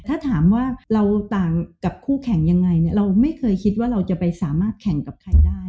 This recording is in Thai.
ถ้าถามว่าเราต่างกับคู่แข่งยังไงเนี่ยเราไม่เคยคิดว่าเราจะไปสามารถแข่งกับใครได้